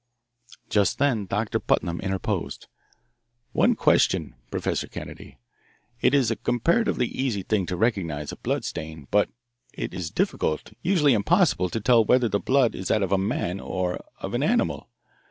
Just then Doctor Putnam interposed. "One question, Professor Kennedy. It is a comparatively easy thing to recognise a blood stain, but it is difficult, usually impossible, to tell whether the blood is that of a man or of an animal.